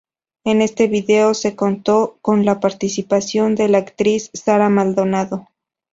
En este vídeo se contó con la participación de la actriz Sara Maldonado.